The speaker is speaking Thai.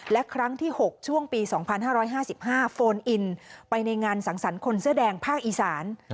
และครั้งที่๖ช่วงปี๒๕๕๕โฟนอินไปในงานสังสรรค์คนเสื้อแดงภาคอีสาน